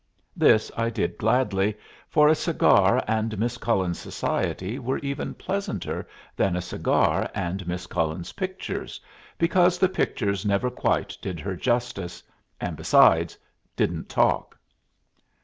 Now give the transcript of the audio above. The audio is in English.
This I did gladly, for a cigar and Miss Cullen's society were even pleasanter than a cigar and Miss Cullen's pictures, because the pictures never quite did her justice, and, besides, didn't talk.